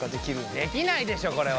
できないでしょこれは。